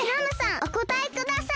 おこたえください！